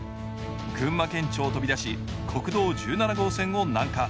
群馬県庁を飛び出し国道１７号線を南下。